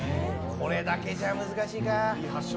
これだけじゃ難しいか。